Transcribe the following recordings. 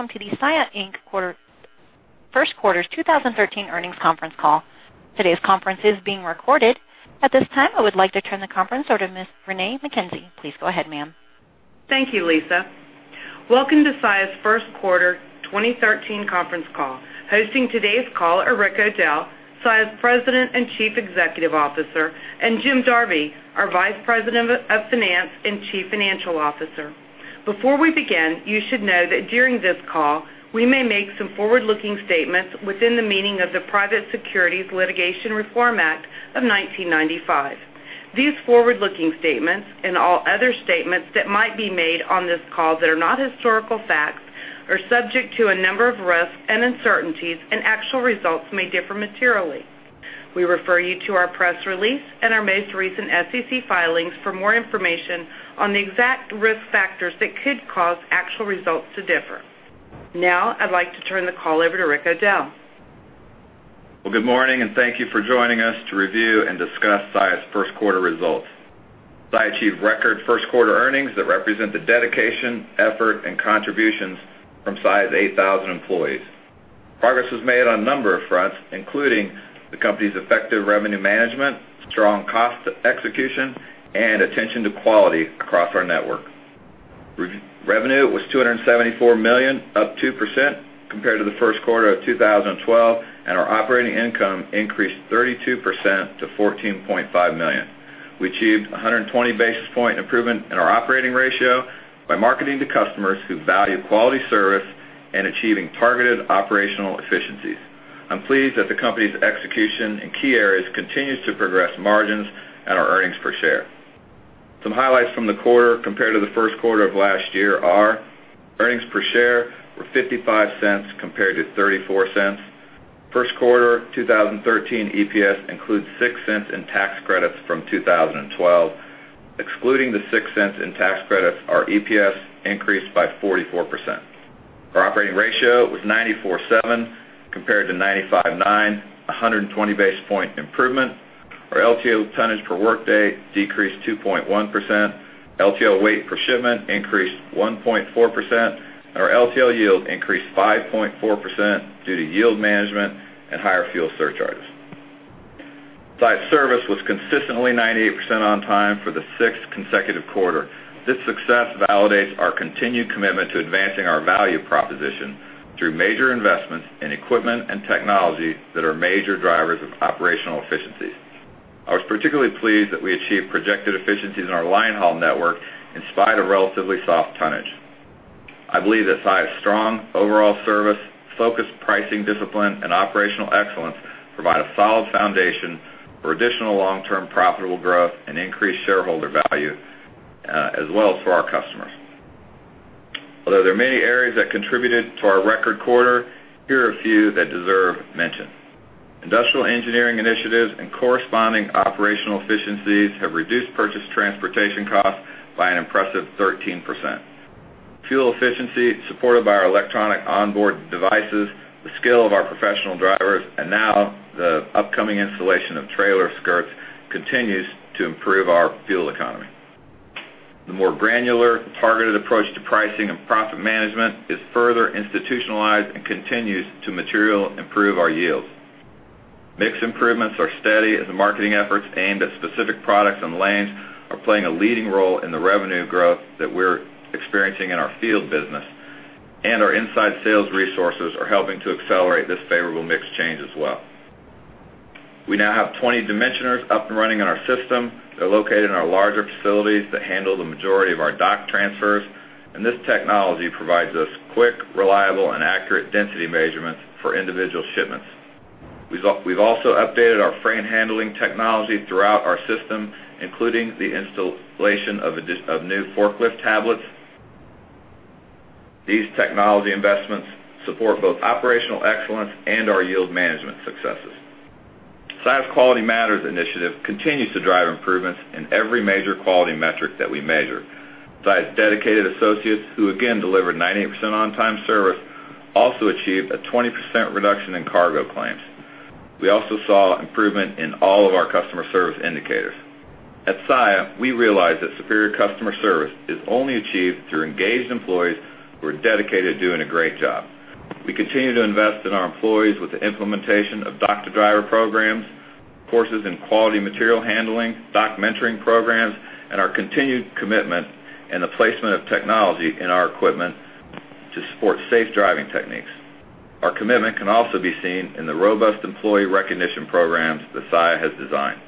Welcome to the Saia Inc. quarter, first quarter 2013 earnings conference call. Today's conference is being recorded. At this time, I would like to turn the conference over to Ms. Renee McKenzie. Please go ahead, ma'am. Thank you, Lisa. Welcome to Saia's first quarter 2013 conference call. Hosting today's call are Rick O'Dell, Saia's President and Chief Executive Officer, and Jim Darby, our Vice President of Finance and Chief Financial Officer. Before we begin, you should know that during this call, we may make some forward-looking statements within the meaning of the Private Securities Litigation Reform Act of 1995. These forward-looking statements, and all other statements that might be made on this call that are not historical facts, are subject to a number of risks and uncertainties, and actual results may differ materially. We refer you to our press release and our most recent SEC filings for more information on the exact risk factors that could cause actual results to differ. Now, I'd like to turn the call over to Rick O'Dell. Well, good morning, and thank you for joining us to review and discuss Saia's first quarter results. Saia achieved record first quarter earnings that represent the dedication, effort, and contributions from Saia's 8,000 employees. Progress was made on a number of fronts, including the company's effective revenue management, strong cost execution, and attention to quality across our network. Revenue was $274 million, up 2% compared to the first quarter of 2012, and our operating income increased 32% to $14.5 million. We achieved a 120 basis point improvement in our operating ratio by marketing to customers who value quality service and achieving targeted operational efficiencies. I'm pleased that the company's execution in key areas continues to progress margins and our earnings per share. Some highlights from the quarter compared to the first quarter of last year are: earnings per share were $0.55 compared to $0.34. First quarter 2013 EPS includes $0.06 in tax credits from 2012. Excluding the $0.06 in tax credits, our EPS increased by 44%. Our operating ratio was 94.7 compared to 95.9, a 120 basis point improvement. Our LTL tonnage per workday decreased 2.1%, LTL weight per shipment increased 1.4%, and our LTL yield increased 5.4% due to yield management and higher fuel surcharges. Saia service was consistently 98% on time for the sixth consecutive quarter. This success validates our continued commitment to advancing our value proposition through major investments in equipment and technology that are major drivers of operational efficiencies. I was particularly pleased that we achieved projected efficiencies in our line haul network in spite of relatively soft tonnage. I believe that Saia's strong overall service, focused pricing discipline, and operational excellence provide a solid foundation for additional long-term profitable growth and increased shareholder value, as well as for our customers. Although there are many areas that contributed to our record quarter, here are a few that deserve mention. Industrial engineering initiatives and corresponding operational efficiencies have reduced purchase transportation costs by an impressive 13%. Fuel efficiency, supported by our Electronic Onboard Devices, the skill of our professional drivers, and now the upcoming installation of trailer skirts, continues to improve our fuel economy. The more granular, targeted approach to pricing and profit management is further institutionalized and continues to materially improve our yields. Mix improvements are steady, as the marketing efforts aimed at specific products and lanes are playing a leading role in the revenue growth that we're experiencing in our field business, and our inside sales resources are helping to accelerate this favorable mix change as well. We now have 20 dimensioners up and running in our system. They're located in our larger facilities that handle the majority of our dock transfers, and this technology provides us quick, reliable, and accurate density measurements for individual shipments. We've also updated our frame handling technology throughout our system, including the installation of new forklift tablets. These technology investments support both operational excellence and our yield management successes. Saia's Quality Matters initiative continues to drive improvements in every major quality metric that we measure. Saia's dedicated associates, who, again, delivered 98% on-time service, also achieved a 20% reduction in cargo claims. We also saw improvement in all of our customer service indicators. At Saia, we realize that superior customer service is only achieved through engaged employees who are dedicated to doing a great job. We continue to invest in our employees with the implementation of Dock-to-Driver programs, courses in quality material handling, dock mentoring programs, and our continued commitment in the placement of technology in our equipment to support safe driving techniques. Our commitment can also be seen in the robust employee recognition programs that Saia has designed.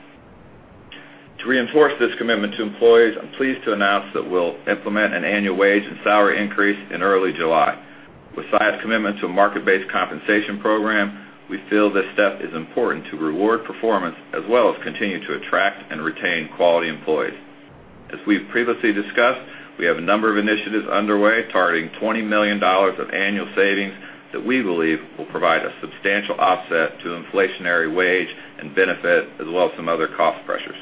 To reinforce this commitment to employees, I'm pleased to announce that we'll implement an annual wage and salary increase in early July. With Saia's commitment to a market-based compensation program, we feel this step is important to reward performance, as well as continue to attract and retain quality employees. As we've previously discussed, we have a number of initiatives underway, targeting $20 million of annual savings that we believe will provide a substantial offset to inflationary wage and benefit, as well as some other cost pressures.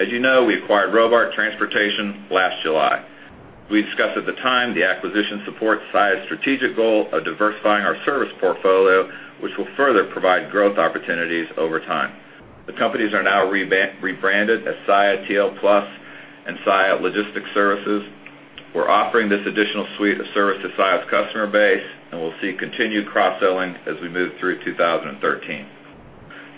As you know, we acquired Robart Transportation last July. We discussed at the time the acquisition supports Saia's strategic goal of diversifying our service portfolio, which will further provide growth opportunities over time. The companies are now rebranded as Saia TL Plus and Saia Logistics Services. We're offering this additional suite of service to Saia's customer base, and we'll see continued cross-selling as we move through 2013.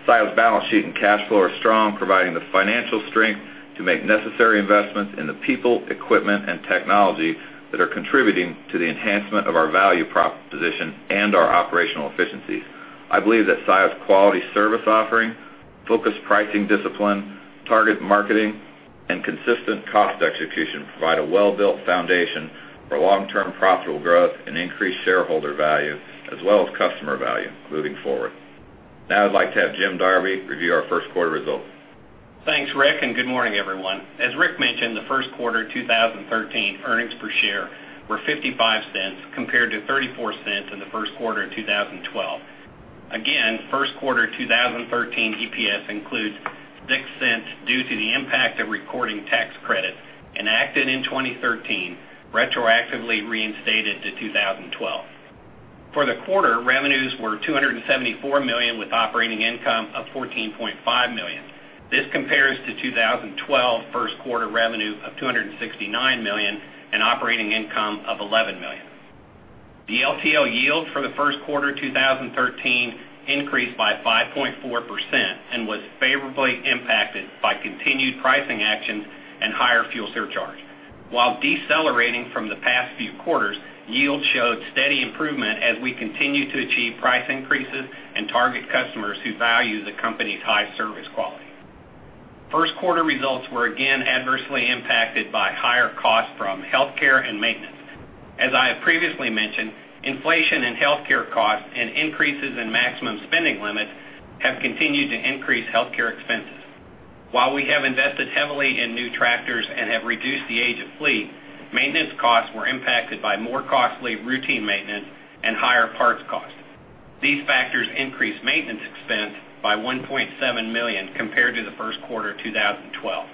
Saia's balance sheet and cash flow are strong, providing the financial strength to make necessary investments in the people, equipment, and technology that are contributing to the enhancement of our value proposition and our operational efficiencies. I believe that Saia's quality service offering, focused pricing discipline, target marketing, and consistent cost execution provide a well-built foundation for long-term profitable growth and increased shareholder value, as well as customer value moving forward. Now I'd like to have Jim Darby review our first quarter results. Thanks, Rick, and good morning, everyone. As Rick mentioned, the first quarter 2013 earnings per share were $0.55, compared to $0.34 in the first quarter of 2012. Again, first quarter 2013 EPS includes $0.06 due to the impact of recording tax credits enacted in 2013, retroactively reinstated to 2012. For the quarter, revenues were $274 million, with operating income of $14.5 million. This compares to 2012 first quarter revenue of $269 million and operating income of $11 million. The LTL yield for the first quarter 2013 increased by 5.4% and was favorably impacted by continued pricing actions and higher fuel surcharges. While decelerating from the past few quarters, yield showed steady improvement as we continue to achieve price increases and target customers who value the company's high service quality. First quarter results were again adversely impacted by higher costs from healthcare and maintenance. As I have previously mentioned, inflation in healthcare costs and increases in maximum spending limits have continued to increase healthcare expenses. While we have invested heavily in new tractors and have reduced the age of fleet, maintenance costs were impacted by more costly routine maintenance and higher parts costs. These factors increased maintenance expense by $1.7 million compared to the first quarter of 2012.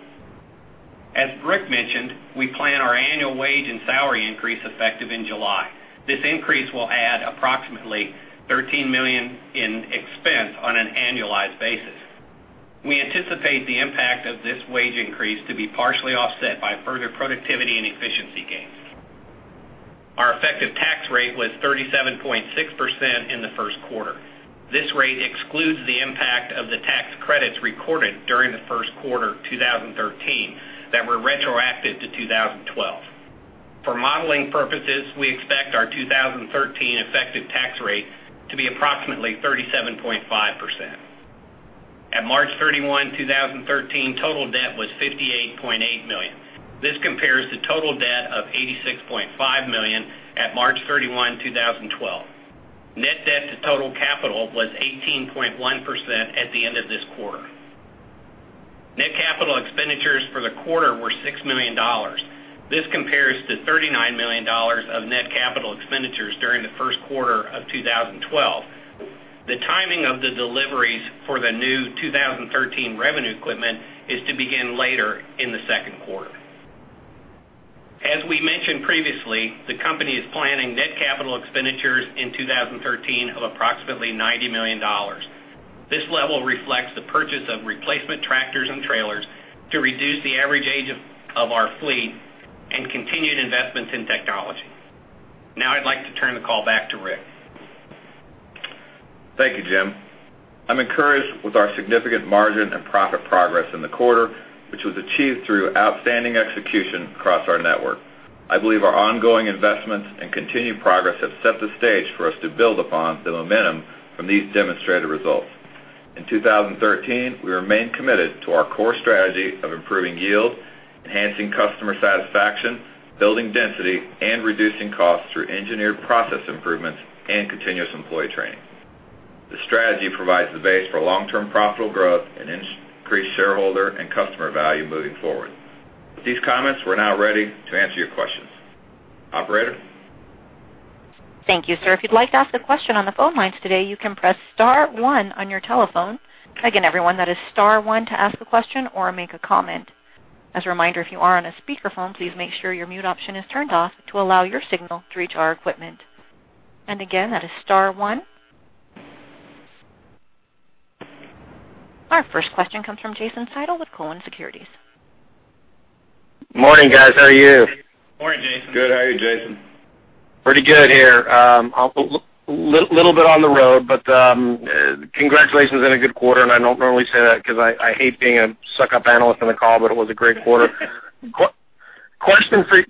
As Rick mentioned, we plan our annual wage and salary increase effective in July. This increase will add approximately $13 million in expense on an annualized basis. We anticipate the impact of this wage increase to be partially offset by further productivity and efficiency gains. Our effective tax rate was 37.6% in the first quarter. This rate excludes the impact of the tax credits recorded during the first quarter 2013, that were retroactive to 2012. For modeling purposes, we expect our 2013 effective tax rate to be approximately 37.5%. At March 31, 2013, total debt was $58.8 million. This compares to total debt of $86.5 million at March 31, 2012. Net debt to total capital was 18.1% at the end of this quarter. Net capital expenditures for the quarter were $6 million. This compares to $39 million of net capital expenditures during the first quarter of 2012. The timing of the deliveries for the new 2013 revenue equipment is to begin later in the second quarter. As we mentioned previously, the company is planning net capital expenditures in 2013 of approximately $90 million. This level reflects the purchase of replacement tractors and trailers to reduce the average age of our fleet and continued investments in technology. Now I'd like to turn the call back to Rick. Thank you, Jim. I'm encouraged with our significant margin and profit progress in the quarter, which was achieved through outstanding execution across our network. I believe our ongoing investments and continued progress have set the stage for us to build upon the momentum from these demonstrated results. In 2013, we remain committed to our core strategy of improving yield, enhancing customer satisfaction, building density, and reducing costs through engineered process improvements and continuous employee training. This strategy provides the base for long-term profitable growth and increased shareholder and customer value moving forward. With these comments, we're now ready to answer your questions. Operator? Thank you, sir. If you'd like to ask a question on the phone lines today, you can press star one on your telephone. Again, everyone, that is star one to ask a question or make a comment. As a reminder, if you are on a speakerphone, please make sure your mute option is turned off to allow your signal to reach our equipment. And again, that is star one. Our first question comes from Jason Seidl with Cowen Securities. Morning, guys. How are you? Morning, Jason. Good. How are you, Jason? Pretty good here. A little bit on the road, but, congratulations on a good quarter, and I don't normally say that because I hate being a suck-up analyst on the call, but it was a great quarter. Question for you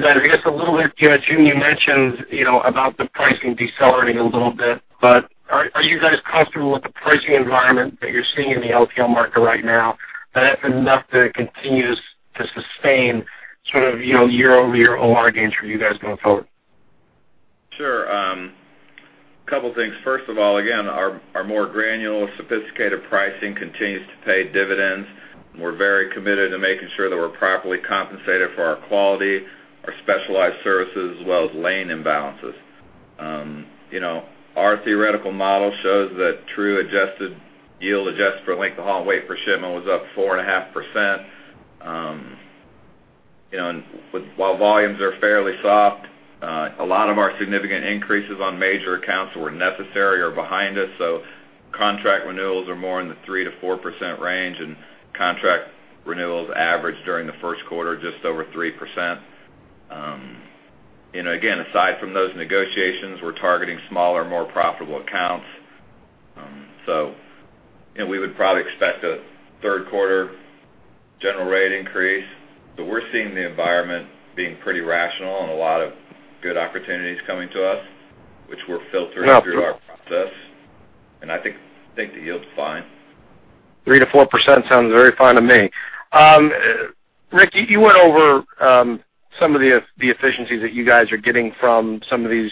guys, I guess a little bit, you know, Jim, you mentioned, you know, about the pricing decelerating a little bit, but are you guys comfortable with the pricing environment that you're seeing in the LTL market right now? That's enough to continue to sustain sort of, you know, year-over-year OR gains for you guys going forward? Sure. A couple things. First of all, again, our more granular, sophisticated pricing continues to pay dividends. We're very committed to making sure that we're properly compensated for our quality, our specialized services, as well as lane imbalances. You know, our theoretical model shows that true adjusted yield, adjusted for length of haul and weight per shipment, was up 4.5%. You know, and while volumes are fairly soft, a lot of our significant increases on major accounts that were necessary are behind us. So contract renewals are more in the 3%-4% range, and contract renewals average during the first quarter, just over 3%. And again, aside from those negotiations, we're targeting smaller, more profitable accounts. So, you know, we would probably expect a third quarter general rate increase, but we're seeing the environment being pretty rational and a lot of good opportunities coming to us, which we're filtering through our process. I think the yield's fine. 3%-4% sounds very fine to me. Rick, you went over some of the efficiencies that you guys are getting from some of these,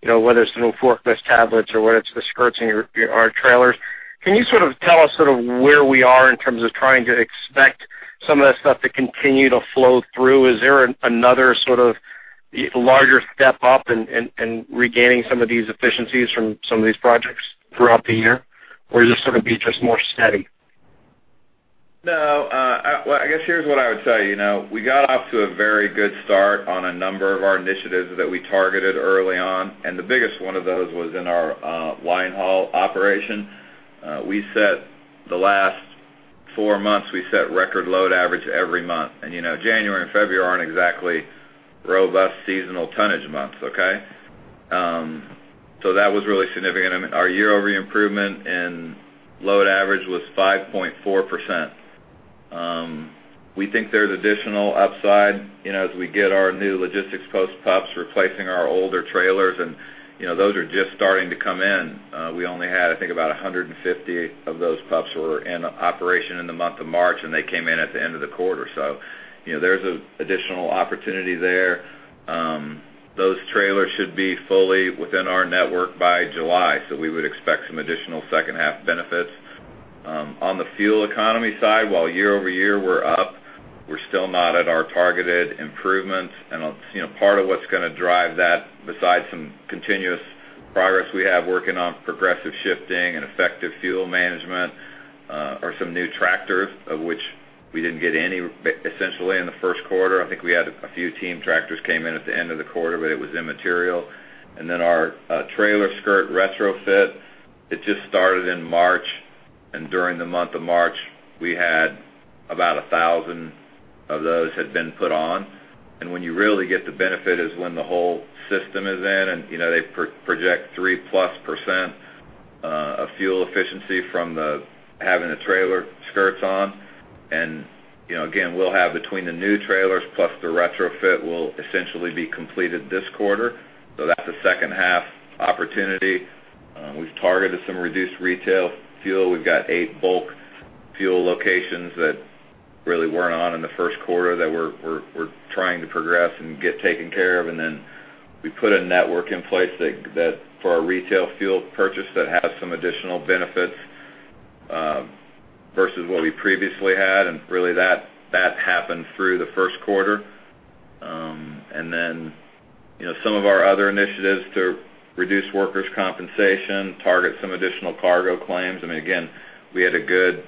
you know, whether it's the new forklift tablets or whether it's the skirts in your, our trailers. Can you sort of tell us sort of where we are in terms of trying to expect some of that stuff to continue to flow through? Is there another sort of larger step up in regaining some of these efficiencies from some of these projects throughout the year? Or is this gonna be just more steady? No, well, I guess here's what I would tell you. You know, we got off to a very good start on a number of our initiatives that we targeted early on, and the biggest one of those was in our line haul operation. In the last four months, we set record load average every month. You know, January and February aren't exactly robust seasonal tonnage months, okay? So that was really significant. I mean, our year-over-year improvement in load average was 5.4%. We think there's additional upside, you know, as we get our new logistics post pups replacing our older trailers, and, you know, those are just starting to come in. We only had, I think, about 150 of those pups were in operation in the month of March, and they came in at the end of the quarter. So, you know, there's an additional opportunity there. Those trailers should be fully within our network by July, so we would expect some additional second-half benefits. On the fuel economy side, while year-over-year we're up, we're still not at our targeted improvements. And, you know, part of what's gonna drive that, besides some continuous progress we have working on progressive shifting and effective fuel management, are some new tractors, of which we didn't get any, essentially, in the first quarter. I think we had a few team tractors came in at the end of the quarter, but it was immaterial. Then our trailer skirt retrofit just started in March, and during the month of March, we had about 1,000 of those had been put on. And when you really get the benefit is when the whole system is in and, you know, they project 3%+ of fuel efficiency from having the trailer skirts on. And, you know, again, we'll have between the new trailers plus the retrofit will essentially be completed this quarter, so that's a second-half opportunity. We've targeted some reduced retail fuel. We've got eight bulk fuel locations that really weren't on in the first quarter that we're trying to progress and get taken care of. And then we put a network in place that for our retail fuel purchase that has some additional benefits versus what we previously had, and really that happened through the first quarter. And then, you know, some of our other initiatives to reduce workers' compensation, target some additional cargo claims. I mean, again, we had a good,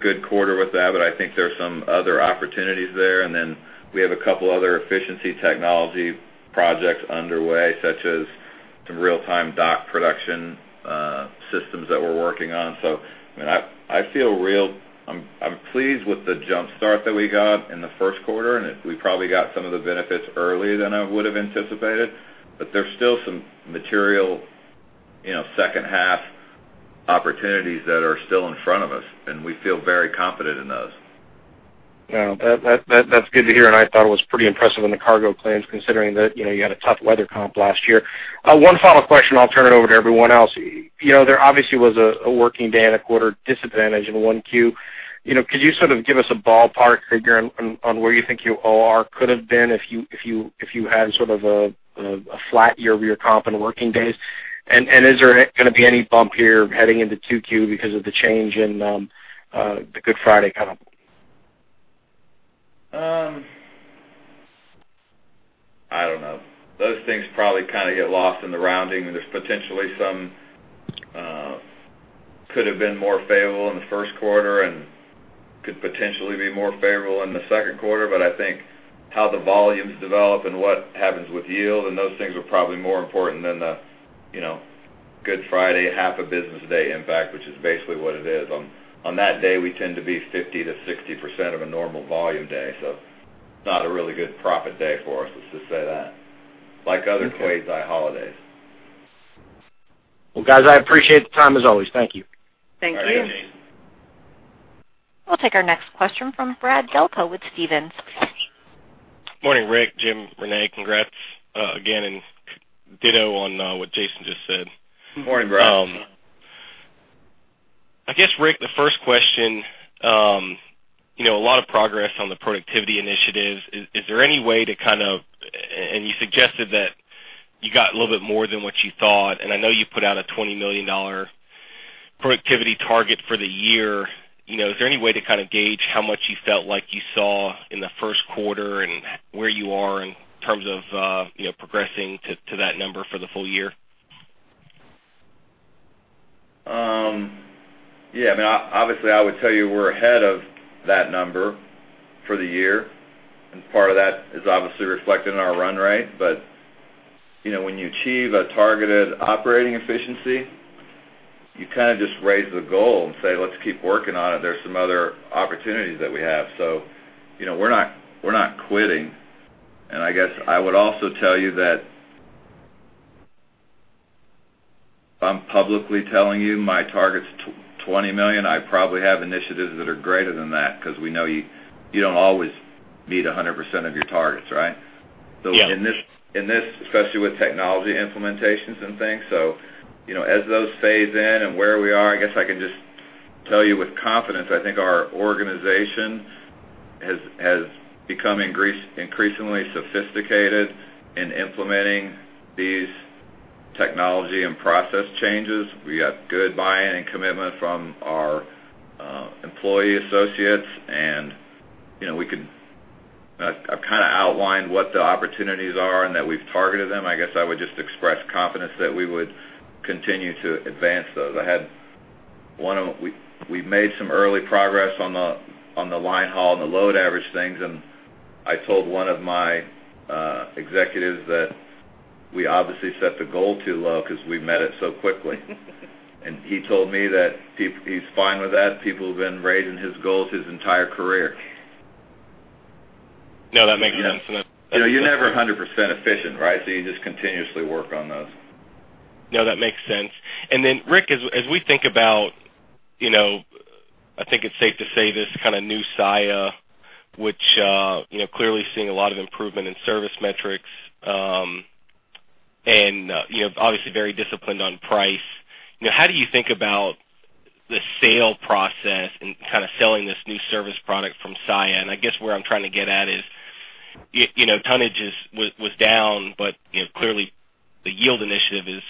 good quarter with that, but I think there are some other opportunities there. And then we have a couple other efficiency technology projects underway, such as some real-time dock production systems that we're working on. So, I mean, I, I feel real... I'm pleased with the jump start that we got in the first quarter, and we probably got some of the benefits earlier than I would have anticipated, but there's still some material, you know, second half opportunities that are still in front of us, and we feel very confident in those. Yeah, that's good to hear, and I thought it was pretty impressive in the cargo claims, considering that, you know, you had a tough weather comp last year. One follow-up question, I'll turn it over to everyone else. You know, there obviously was a working day and a quarter disadvantage in 1Q. You know, could you sort of give us a ballpark figure on where you think your OR could have been if you had sort of a flat year-over-year comp in working days? And is there gonna be any bump here heading into Q2 because of the change in the Good Friday comp? I don't know. Those things probably kind of get lost in the rounding, and there's potentially some, could have been more favorable in the first quarter and could potentially be more favorable in the second quarter. But I think how the volumes develop and what happens with yield and those things are probably more important than the, you know, Good Friday, half a business day impact, which is basically what it is. On, on that day, we tend to be 50%-60% of a normal volume day, so it's not a really good profit day for us, let's just say that. Like other quasi holidays. Well, guys, I appreciate the time as always. Thank you. Thank you. We'll take our next question from Brad Delco with Stephens. Morning, Rick, Jim, Renee. Congrats, again, and ditto on, what Jason just said. Morning, Brad. I guess, Rick, the first question, you know, a lot of progress on the productivity initiatives. Is there any way to kind of... and you suggested that you got a little bit more than what you thought, and I know you put out a $20 million productivity target for the year. You know, is there any way to kind of gauge how much you felt like you saw in the first quarter and where you are in terms of, you know, progressing to that number for the full year?... Yeah, I mean, obviously, I would tell you we're ahead of that number for the year, and part of that is obviously reflected in our run rate. But, you know, when you achieve a targeted operating efficiency, you kind of just raise the goal and say, let's keep working on it. There's some other opportunities that we have. So, you know, we're not, we're not quitting. And I guess I would also tell you that if I'm publicly telling you my target's $20 million, I probably have initiatives that are greater than that, because we know you, you don't always meet 100% of your targets, right? Yeah. So in this, especially with technology implementations and things, so, you know, as those phase in and where we are, I guess I can just tell you with confidence, I think our organization has become increasingly sophisticated in implementing these technology and process changes. We got good buy-in and commitment from our employee associates, and, you know, we could... I've kind of outlined what the opportunities are and that we've targeted them. I guess I would just express confidence that we would continue to advance those. We've made some early progress on the line haul and the load average things, and I told one of my executives that we obviously set the goal too low because we met it so quickly. And he told me that he's fine with that. People have been raising his goals his entire career. No, that makes sense. You're never 100% efficient, right? So you just continuously work on those. No, that makes sense. And then, Rick, as we think about, you know, I think it's safe to say this kind of new Saia, which, you know, clearly seeing a lot of improvement in service metrics, and, you know, obviously very disciplined on price. You know, how do you think about the sale process and kind of selling this new service product from Saia? And I guess where I'm trying to get at is, you know, tonnage was down, but, you know, clearly, the yield initiative is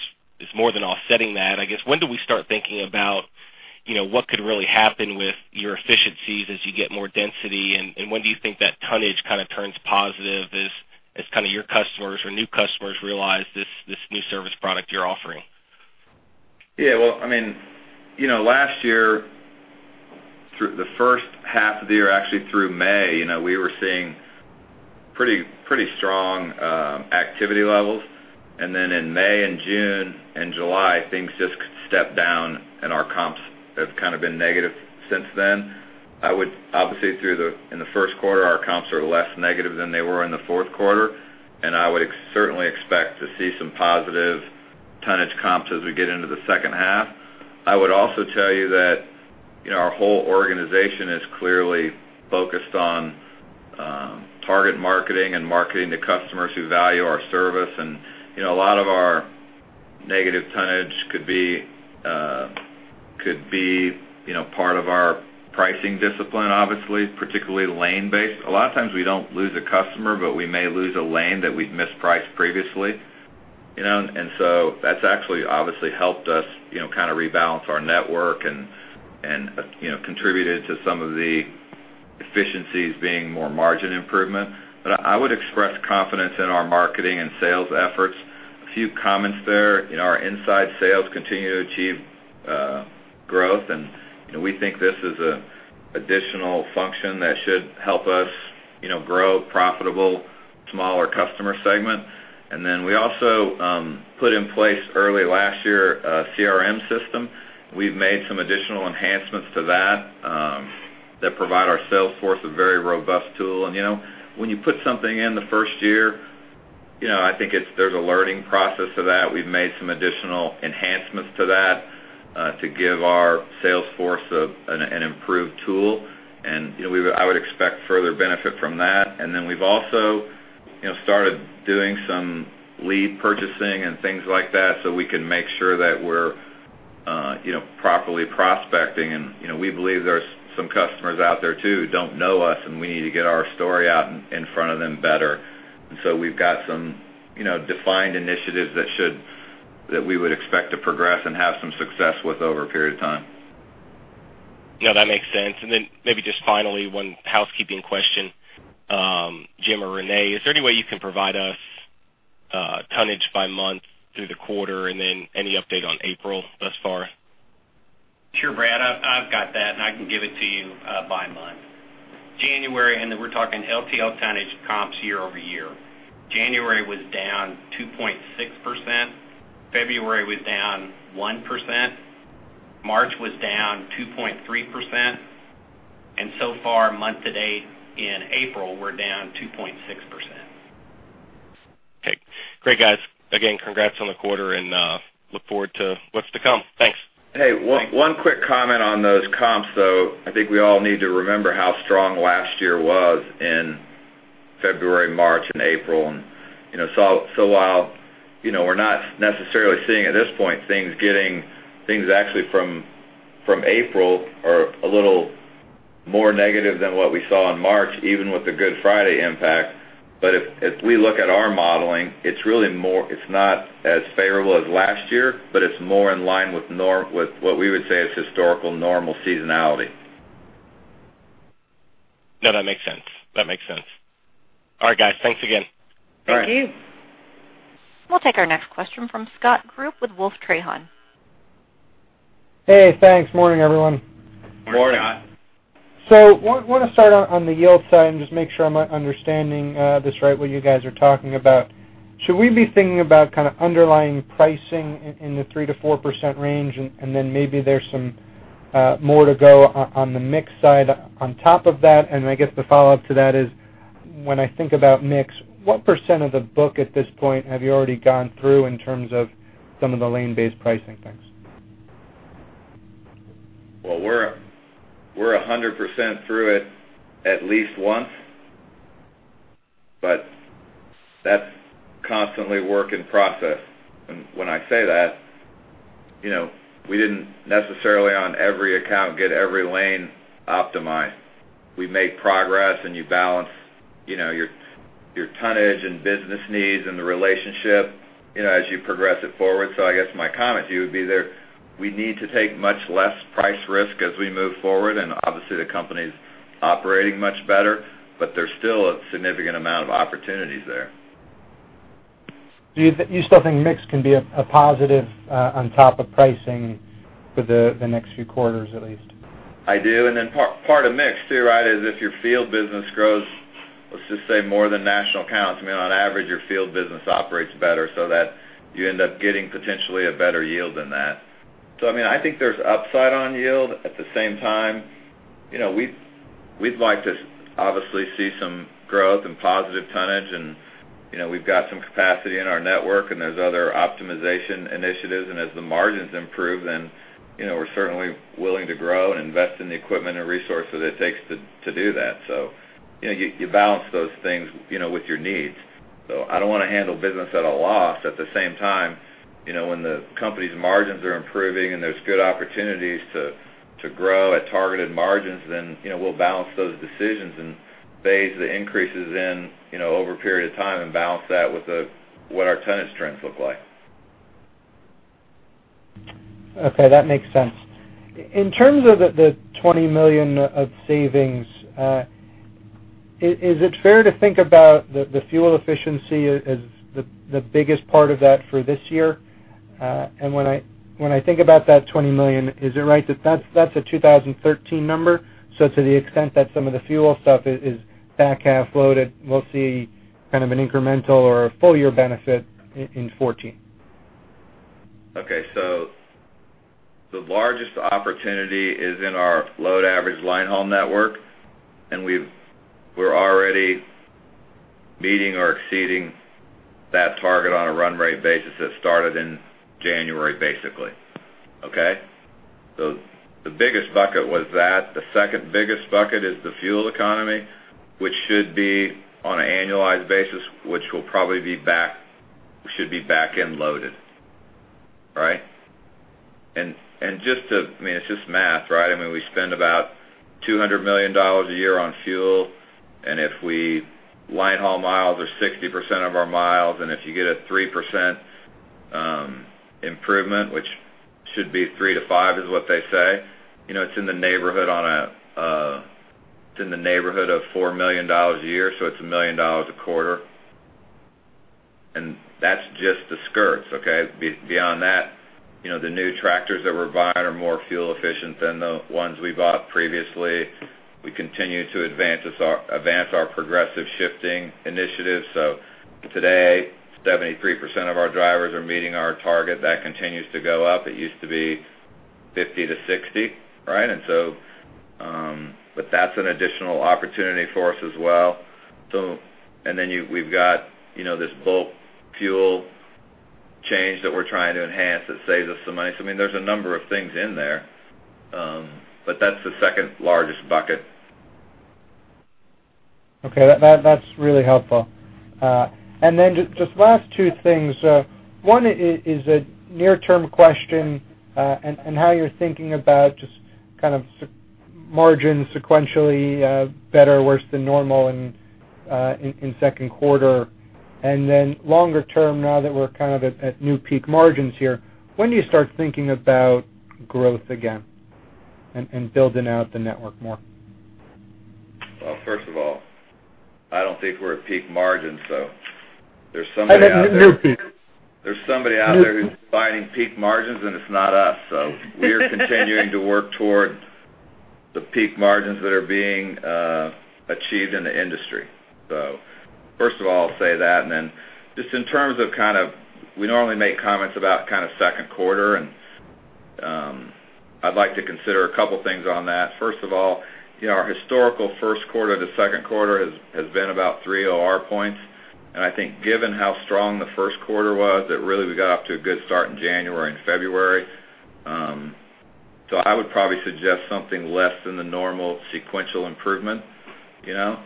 more than offsetting that. I guess, when do we start thinking about, you know, what could really happen with your efficiencies as you get more density, and when do you think that tonnage kind of turns positive as kind of your customers or new customers realize this new service product you're offering? Yeah, well, I mean, you know, last year, through the first half of the year, actually through May, you know, we were seeing pretty, pretty strong activity levels. And then in May and June and July, things just stepped down, and our comps have kind of been negative since then. I would obviously, through the... In the first quarter, our comps are less negative than they were in the fourth quarter, and I would certainly expect to see some positive tonnage comps as we get into the second half. I would also tell you that, you know, our whole organization is clearly focused on target marketing and marketing to customers who value our service. And, you know, a lot of our negative tonnage could be, could be, you know, part of our pricing discipline, obviously, particularly lane-based. A lot of times we don't lose a customer, but we may lose a lane that we've mispriced previously, you know? And so that's actually obviously helped us, you know, kind of rebalance our network and, you know, contributed to some of the efficiencies being more margin improvement. But I would express confidence in our marketing and sales efforts. A few comments there. You know, our inside sales continue to achieve growth, and, you know, we think this is a additional function that should help us, you know, grow profitable, smaller customer segment. And then we also put in place early last year, a CRM system. We've made some additional enhancements to that, that provide our sales force a very robust tool. And, you know, when you put something in the first year, you know, I think there's a learning process to that. We've made some additional enhancements to that, to give our sales force an improved tool, and, you know, we would—I would expect further benefit from that. And then we've also, you know, started doing some lead purchasing and things like that, so we can make sure that we're, you know, properly prospecting. And, you know, we believe there's some customers out there, too, who don't know us, and we need to get our story out in front of them better. And so we've got some, you know, defined initiatives that should... that we would expect to progress and have some success with over a period of time. No, that makes sense. And then maybe just finally, one housekeeping question, Jim or Renee, is there any way you can provide us tonnage by month through the quarter, and then any update on April thus far? Sure, Brad, I've got that, and I can give it to you by month. January, and then we're talking LTL tonnage comps year-over-year. January was down 2.6%. February was down 1%. March was down 2.3%, and so far, month to date in April, we're down 2.6%. Okay. Great, guys. Again, congrats on the quarter and look forward to what's to come. Thanks. Hey, one quick comment on those comps, though. I think we all need to remember how strong last year was in February, March, and April. You know, so while, you know, we're not necessarily seeing at this point, things actually from April are a little more negative than what we saw in March, even with the Good Friday impact. But if we look at our modeling, it's really more, it's not as favorable as last year, but it's more in line with what we would say is historical normal seasonality.... No, that makes sense. That makes sense. All right, guys. Thanks again. Thank you. We'll take our next question from Scott Group with Wolfe Trahan. Hey, thanks. Morning, everyone. Morning. So, want to start on the yield side and just make sure I'm understanding this right, what you guys are talking about. Should we be thinking about kind of underlying pricing in the 3%-4% range, and then maybe there's some more to go on the mix side on top of that? And I guess the follow-up to that is, when I think about mix, what % of the book at this point have you already gone through in terms of some of the lane-based pricing things? Well, we're, we're 100% through it at least once, but that's constantly work in process. And when I say that, you know, we didn't necessarily, on every account, get every lane optimized. We made progress, and you balance, you know, your, your tonnage and business needs and the relationship, you know, as you progress it forward. So I guess my comment to you would be that we need to take much less price risk as we move forward, and obviously, the company's operating much better, but there's still a significant amount of opportunities there. Do you still think mix can be a positive on top of pricing for the next few quarters at least? I do. And then part of mix, too, right, is if your field business grows, let's just say, more than national accounts. I mean, on average, your field business operates better, so that you end up getting potentially a better yield than that. So, I mean, I think there's upside on yield. At the same time, you know, we'd like to obviously see some growth and positive tonnage and, you know, we've got some capacity in our network, and there's other optimization initiatives. And as the margins improve, then, you know, we're certainly willing to grow and invest in the equipment and resources it takes to do that. So, you know, you balance those things, you know, with your needs. So I don't want to handle business at a loss. At the same time, you know, when the company's margins are improving and there's good opportunities to grow at targeted margins, then, you know, we'll balance those decisions and phase the increases in, you know, over a period of time and balance that with what our tonnage trends look like. Okay, that makes sense. In terms of the $20 million of savings, is it fair to think about the fuel efficiency as the biggest part of that for this year? And when I think about that $20 million, is it right that that's a 2013 number? So to the extent that some of the fuel stuff is back-half loaded, we'll see kind of an incremental or a full year benefit in 2014. Okay, so the largest opportunity is in our load average line haul network, and we're already meeting or exceeding that target on a run rate basis that started in January, basically. Okay? So the biggest bucket was that. The second biggest bucket is the fuel economy, which should be on an annualized basis, which will probably be back, should be back-end loaded. Right? And just to... I mean, it's just math, right? I mean, we spend about $200 million a year on fuel, and if we line haul miles or 60% of our miles, and if you get a 3%, improvement, which should be 3%-5%, is what they say, you know, it's in the neighborhood on a, it's in the neighborhood of $4 million a year, so it's $1 million a quarter. And that's just the skirts, okay? Beyond that, you know, the new tractors that we're buying are more fuel efficient than the ones we bought previously. We continue to advance our progressive shifting initiatives. So today, 73% of our drivers are meeting our target. That continues to go up. It used to be 50%-60%, right? And so, but that's an additional opportunity for us as well. So, and then we've got, you know, this bulk fuel change that we're trying to enhance that saves us some money. So I mean, there's a number of things in there, but that's the second largest bucket. Okay, that's really helpful. And then just last two things. One is a near-term question, and how you're thinking about just kind of margin sequentially, better or worse than normal in second quarter. And then longer term, now that we're kind of at new peak margins here, when do you start thinking about growth again and building out the network more? Well, first of all, I don't think we're at peak margins, so there's somebody out there- I meant near peak. There's somebody out there who's finding peak margins, and it's not us. So we are continuing to work toward the peak margins that are being achieved in the industry. So first of all, I'll say that, and then just in terms of kind of, we normally make comments about kind of second quarter, and I'd like to consider a couple things on that. First of all, you know, our historical first quarter to second quarter has been about three OR points. And I think given how strong the first quarter was, that really, we got off to a good start in January and February. So I would probably suggest something less than the normal sequential improvement, you know?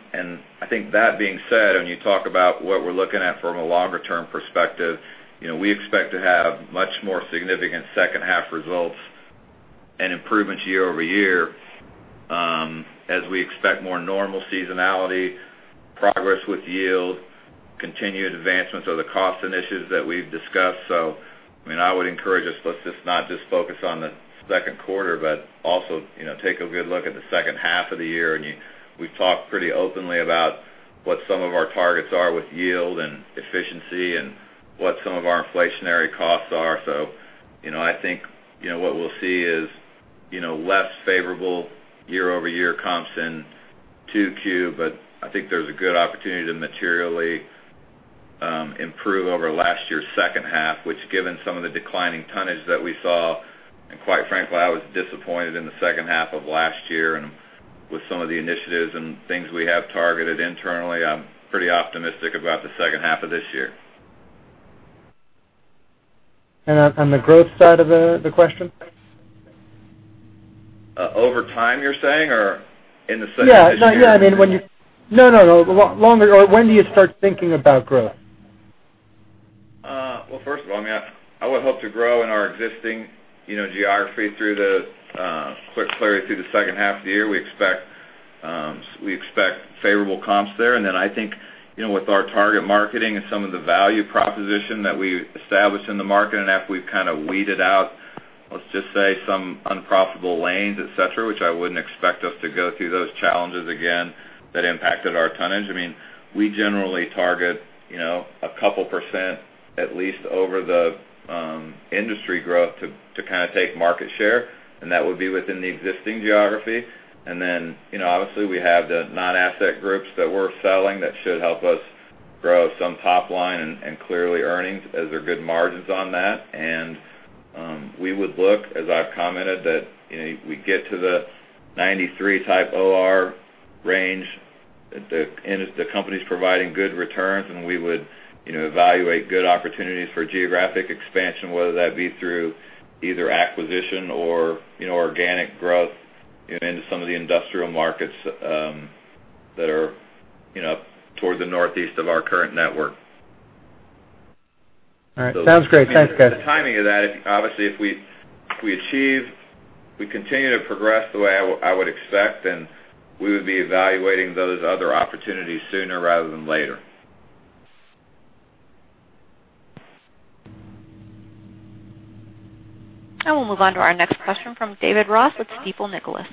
I think that being said, when you talk about what we're looking at from a longer term perspective, you know, we expect to have much more significant second half results and improvements year-over-year, as we expect more normal seasonality, progress with yield, continued advancements of the cost initiatives that we've discussed. So, I mean, I would encourage us, let's just not just focus on the second quarter, but also, you know, take a good look at the second half of the year. And we've talked pretty openly about what some of our targets are with yield and efficiency and what some of our inflationary costs are. So, you know, I think, you know, what we'll see is, you know, less favorable year-over-year comps in 2Q, but I think there's a good opportunity to materially improve over last year's second half, which, given some of the declining tonnage that we saw, and quite frankly, I was disappointed in the second half of last year. And with some of the initiatives and things we have targeted internally, I'm pretty optimistic about the second half of this year. And on the growth side of the question? Over time, you're saying, or in the second Yeah. No, yeah, I mean, no longer, or when do you start thinking about growth? Well, first of all, I mean, I would hope to grow in our existing, you know, geography through the clearly through the second half of the year. We expect we expect favorable comps there. And then I think, you know, with our target marketing and some of the value proposition that we established in the market, and after we've kind of weeded out, let's just say, some unprofitable lanes, etc, which I wouldn't expect us to go through those challenges again, that impacted our tonnage. I mean, we generally target, you know, a couple %, at least over the industry growth, to kind of take market share, and that would be within the existing geography. And then, you know, obviously, we have the non-asset groups that we're selling that should help us grow some top line and clearly, earnings, as there are good margins on that. And we would look, as I've commented, that, you know, we get to the 93-type OR range, and the company's providing good returns, and we would, you know, evaluate good opportunities for geographic expansion, whether that be through either acquisition or, you know, organic growth into some of the industrial markets that are, you know, toward the northeast of our current network. All right. Sounds great, thanks, guys. The timing of that, obviously, if we achieve, we continue to progress the way I would expect, then we would be evaluating those other opportunities sooner rather than later. I will move on to our next question from David Ross with Stifel Nicolaus.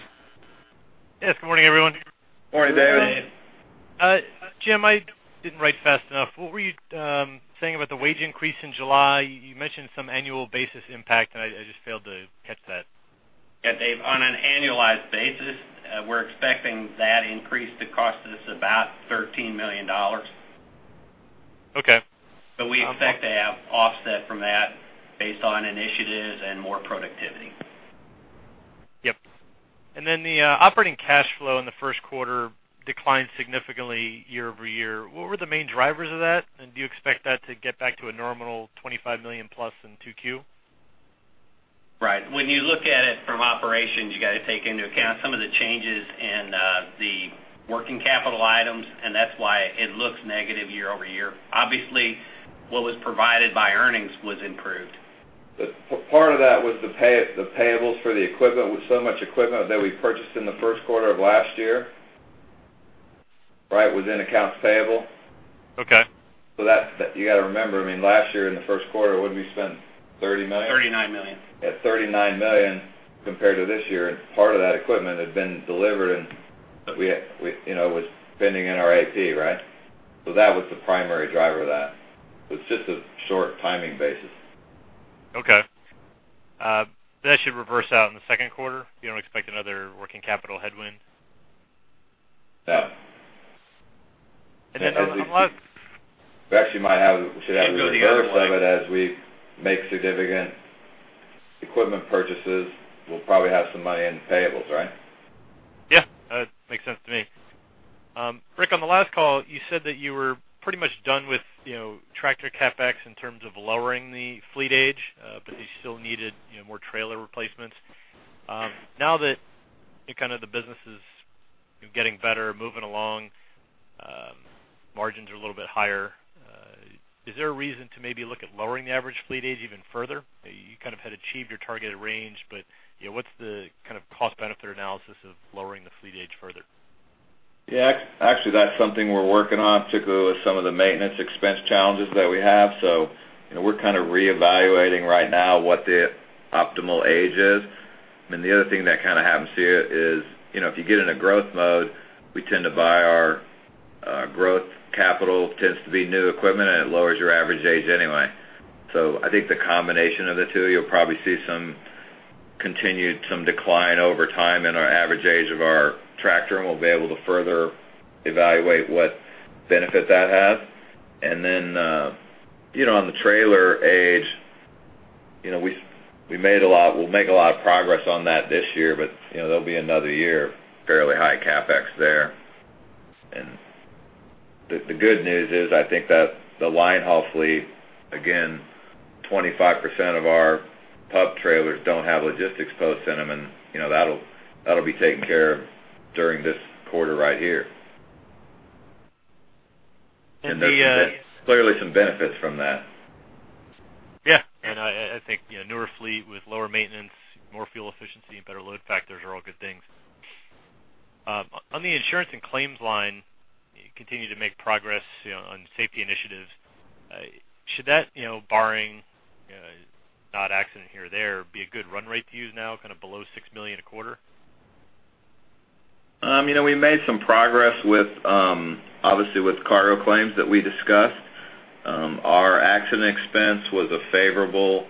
Yes, good morning, everyone. Morning, David. Jim, I didn't write fast enough. What were you saying about the wage increase in July? You mentioned some annual basis impact, and I just failed to catch that. Yeah, Dave, on an annualized basis, we're expecting that increase to cost us about $13 million. Okay. But we expect to have offset from that based on initiatives and more productivity. Yep. And then the operating cash flow in the first quarter declined significantly year-over-year. What were the main drivers of that, and do you expect that to get back to a normal $25+ million in 2Q? Right. When you look at it from operations, you got to take into account some of the changes in the working capital items, and that's why it looks negative year-over-year. Obviously, what was provided by earnings was improved. But part of that was the payables for the equipment. With so much equipment that we purchased in the first quarter of last year, right, was in accounts payable. Okay. So that's, you got to remember, I mean, last year, in the first quarter, what did we spend? $30 million? $39 million. Yeah, $39 million compared to this year, and part of that equipment had been delivered, and we had, you know, was spending in our AP, right? So that was the primary driver of that. It's just a short timing basis. Okay. That should reverse out in the second quarter? You don't expect another working capital headwind? No. And then unless- We actually might have, should have a reverse of it as we make significant equipment purchases, we'll probably have some money in payables, right? Yeah, makes sense to me. Rick, on the last call, you said that you were pretty much done with, you know, tractor CapEx in terms of lowering the fleet age, but you still needed, you know, more trailer replacements. Now that kind of the business is getting better, moving along, margins are a little bit higher, is there a reason to maybe look at lowering the average fleet age even further? You kind of had achieved your targeted range, but, you know, what's the kind of cost-benefit analysis of lowering the fleet age further? Yeah, actually, that's something we're working on, particularly with some of the maintenance expense challenges that we have. So you know, we're kind of reevaluating right now what the optimal age is. And the other thing that kind of happens here is, you know, if you get in a growth mode, we tend to buy our growth capital tends to be new equipment, and it lowers your average age anyway. So I think the combination of the two, you'll probably see some continued, some decline over time in our average age of our tractor, and we'll be able to further evaluate what benefit that has. And then, you know, on the trailer age, you know, we'll make a lot of progress on that this year, but, you know, there'll be another year, fairly high CapEx there. The good news is, I think that the linehaul fleet, again, 25% of our pup trailers don't have logistics posts in them, and you know, that'll be taken care of during this quarter right here. And the Clearly, some benefits from that. Yeah, and I think, you know, newer fleet with lower maintenance, more fuel efficiency, and better load factors are all good things. On the insurance and claims line, you continue to make progress, you know, on safety initiatives. Should that, you know, barring no accident here or there, be a good run rate to use now, kind of below $6 million a quarter? You know, we made some progress with, obviously, with cargo claims that we discussed. Our accident expense was favorable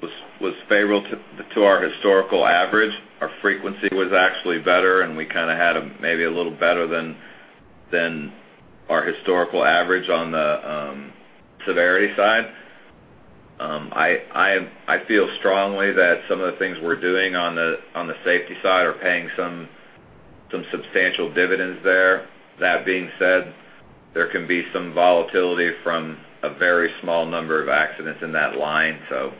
to our historical average. Our frequency was actually better, and we kind of had maybe a little better than our historical average on the severity side. I feel strongly that some of the things we're doing on the safety side are paying some substantial dividends there. That being said, there can be some volatility from a very small number of accidents in that line. So,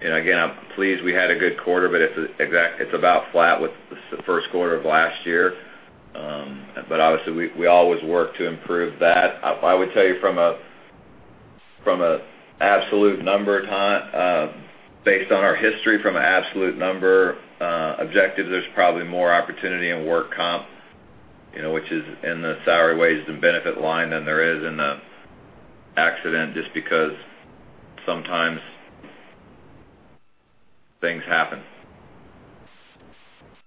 you know, again, I'm pleased we had a good quarter, but it's about flat with the first quarter of last year. But obviously, we always work to improve that. I would tell you from an absolute number, Todd, based on our history, from an absolute number, objective, there's probably more opportunity in work comp, you know, which is in the salary, wages, and benefit line than there is in the accident, just because sometimes things happen.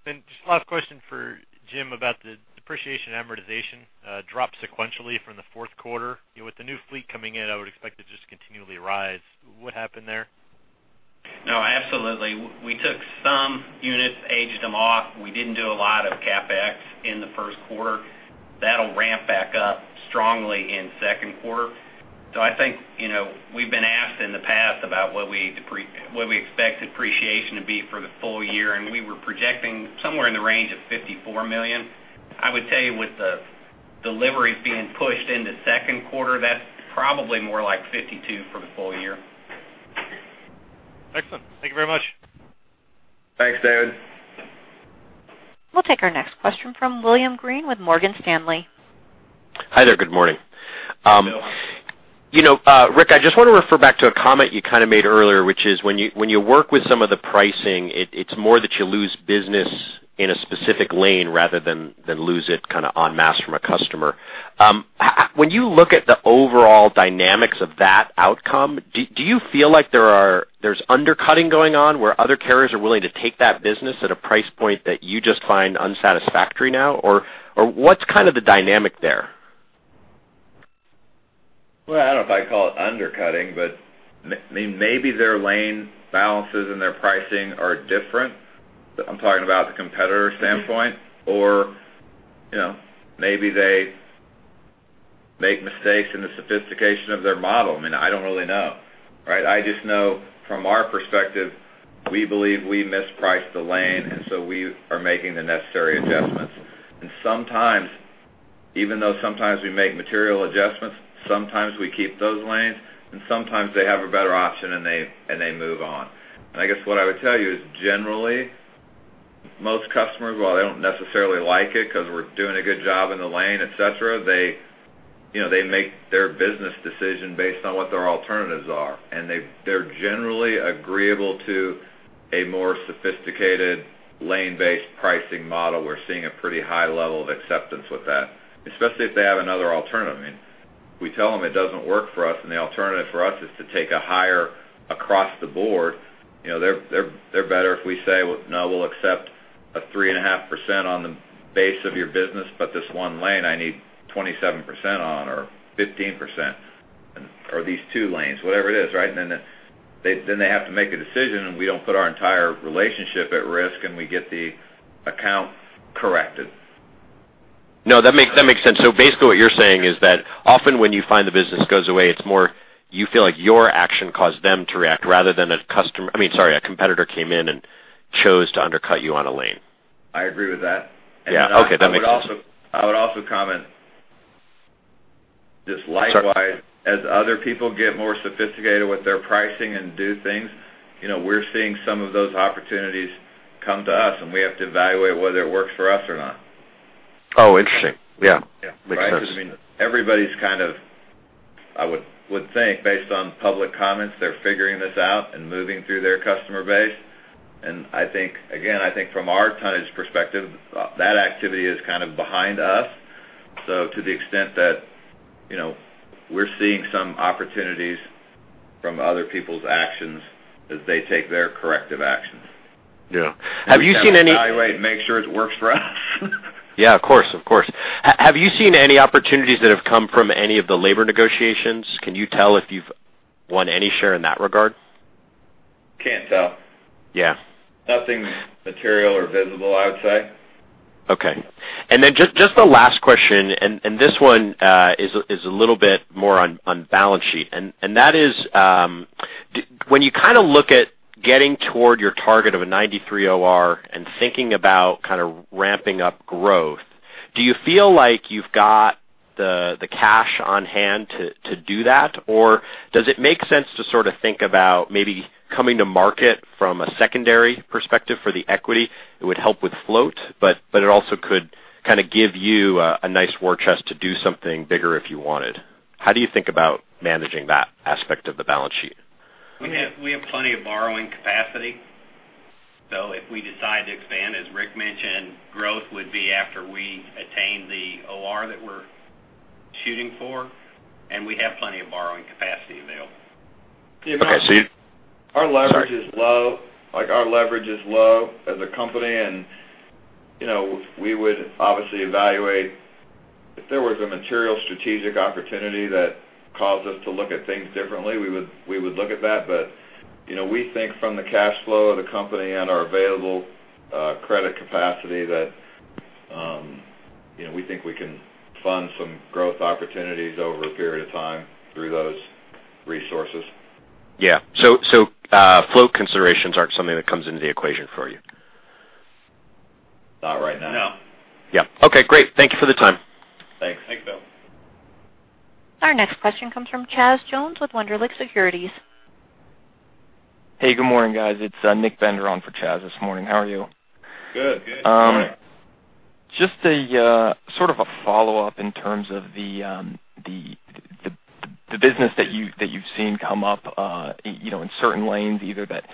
Just last question for Jim about the depreciation amortization, dropped sequentially from the fourth quarter. You know, with the new fleet coming in, I would expect it to just continually rise. What happened there? No, absolutely. We took some units, aged them off. We didn't do a lot of CapEx in the first quarter. That'll ramp back up strongly in second quarter. So I think, you know, we've been asked in the past about what we expect depreciation to be for the full year, and we were projecting somewhere in the range of $54 million. I would tell you, with the deliveries being pushed into second quarter, that's probably more like $52 million for the full year. Excellent. Thank you very much. Thanks, David. We'll take our next question from William Greene with Morgan Stanley. Hi there. Good morning. You know, Rick, I just want to refer back to a comment you kind of made earlier, which is when you, when you work with some of the pricing, it, it's more that you lose business in a specific lane rather than lose it kind of en masse from a customer. When you look at the overall dynamics of that outcome, do you feel like there are - there's undercutting going on, where other carriers are willing to take that business at a price point that you just find unsatisfactory now? Or what's kind of the dynamic there? Well, I don't know if I'd call it undercutting, but maybe their lane balances and their pricing are different. I'm talking about the competitor standpoint, or, you know, maybe they make mistakes in the sophistication of their model. I mean, I don't really know, right? I just know from our perspective, we believe we mispriced the lane, and so we are making the necessary adjustments. And sometimes, even though sometimes we make material adjustments, sometimes we keep those lanes, and sometimes they have a better option, and they, and they move on. And I guess what I would tell you is, generally, most customers, while they don't necessarily like it because we're doing a good job in the lane, etc, they, you know, they make their business decision based on what their alternatives are, and they've, they're generally agreeable to a more sophisticated lane-based pricing model. We're seeing a pretty high level of acceptance with that, especially if they have another alternative. I mean, we tell them it doesn't work for us, and the alternative for us is to take a higher across the board. You know, they're better if we say, "Well, no, we'll accept a 3.5% on the base of your business, but this one lane, I need 27% on or 15%, or these two lanes," whatever it is, right? And then, they have to make a decision, and we don't put our entire relationship at risk, and we get the account corrected. No, that makes, that makes sense. So basically, what you're saying is that often when you find the business goes away, it's more you feel like your action caused them to react rather than a customer... I mean, sorry, a competitor came in and chose to undercut you on a lane. I agree with that. Yeah. Okay, that makes sense. I would also comment, just likewise- Sorry... as other people get more sophisticated with their pricing and do things, you know, we're seeing some of those opportunities come to us, and we have to evaluate whether it works for us or not. Oh, interesting. Yeah. Yeah. Right? Because, I mean, everybody's kind of, I would think, based on public comments, they're figuring this out and moving through their customer base. And I think, again, from our tonnage perspective, that activity is kind of behind us. So to the extent that, you know, we're seeing some opportunities from other people's actions as they take their corrective actions. Yeah. Have you seen any- Evaluate and make sure it works for us? Yeah, of course. Of course. Have you seen any opportunities that have come from any of the labor negotiations? Can you tell if you've won any share in that regard? Can't tell. Yeah. Nothing material or visible, I would say. Okay. And then just the last question, and this one is a little bit more on balance sheet. And that is, when you kind of look at getting toward your target of a 93 OR and thinking about kind of ramping up growth, do you feel like you've got the cash on hand to do that? Or does it make sense to sort of think about maybe coming to market from a secondary perspective for the equity? It would help with float, but it also could kind of give you a nice war chest to do something bigger if you wanted. How do you think about managing that aspect of the balance sheet? ... We have plenty of borrowing capacity. So if we decide to expand, as Rick mentioned, growth would be after we attain the OR that we're shooting for, and we have plenty of borrowing capacity available. Yeah, our leverage is low. Like, our leverage is low as a company, and, you know, we would obviously evaluate if there was a material strategic opportunity that caused us to look at things differently, we would, we would look at that. But, you know, we think from the cash flow of the company and our available credit capacity, that, you know, we think we can fund some growth opportunities over a period of time through those resources. Yeah. So, flow considerations aren't something that comes into the equation for you? Not right now. No. Yeah. Okay, great. Thank you for the time. Thanks. Thanks, Bill. Our next question comes from Chaz Jones with Wunderlich Securities. Hey, good morning, guys. It's, Nick Bender on for Chaz this morning. How are you? Good. Good. Morning. Just a sort of a follow-up in terms of the business that you've seen come up, you know, in certain lanes, either that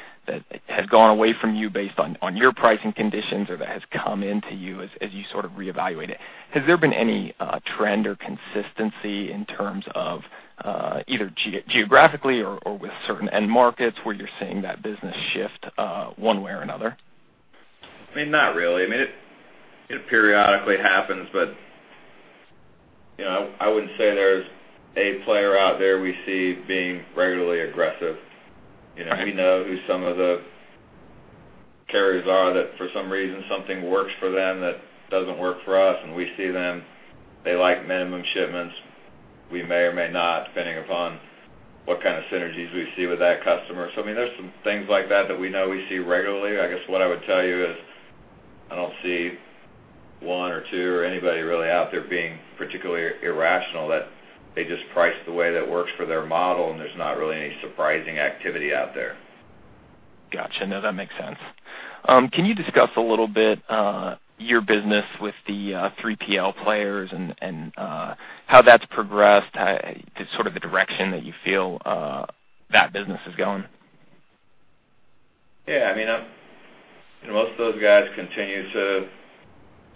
has gone away from you based on your pricing conditions or that has come into you as you sort of reevaluate it. Has there been any trend or consistency in terms of either geographically or with certain end markets where you're seeing that business shift one way or another? I mean, not really. I mean, it, it periodically happens, but, you know, I wouldn't say there's a player out there we see being regularly aggressive. You know, we know who some of the carriers are, that for some reason, something works for them that doesn't work for us, and we see them. They like minimum shipments. We may or may not, depending upon what kind of synergies we see with that customer. So I mean, there's some things like that that we know we see regularly. I guess what I would tell you is, I don't see one or two or anybody really out there being particularly irrational, that they just price the way that works for their model, and there's not really any surprising activity out there. Gotcha. No, that makes sense. Can you discuss a little bit your business with the 3PL players and how that's progressed, sort of the direction that you feel that business is going? Yeah, I mean, most of those guys continue to